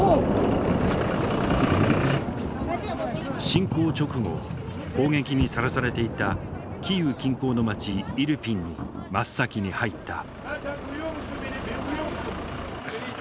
侵攻直後攻撃にさらされていたキーウ近郊の町イルピンに真っ先に入った。